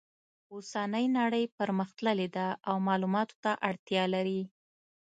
اوسنۍ نړۍ پرمختللې ده او معلوماتو ته اړتیا لري